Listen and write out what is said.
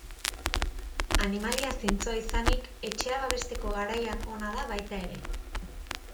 Animalia zintzoa izanik, etxea babesteko garaian ona da baita ere.